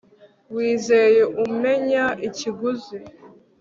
wigeze umenya ikiguzi